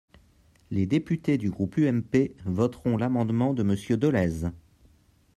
Les députés du groupe UMP voteront l’amendement de Monsieur Dolez.